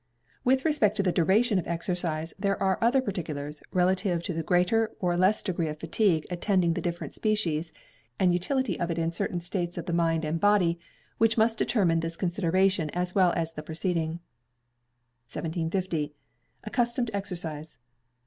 With respect to the duration of exercise, there are other particulars, relative to a greater or less degree of fatigue attending the different species, and utility of it in certain states of the mind and body, which must determine this consideration as well as the preceding. 1750. Accustomed Exercise.